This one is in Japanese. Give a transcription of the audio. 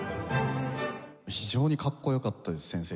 非常にかっこよかったです先生。